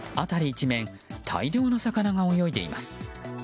一面大量の魚が泳いでいます。